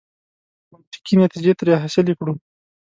منطقي نتیجې ترې حاصلې کړو.